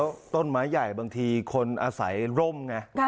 แล้วต้นไม้ใหญ่บางทีคนอาศัยร่มไง